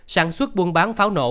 sản xuất buôn bán pháo nổ